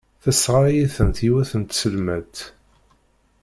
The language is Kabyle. Tesɣaray-iten yiwet n tselmadt.